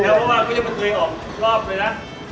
แค่เพราะว่าไม่ได้มันเตรียมออกรอบเลยนะ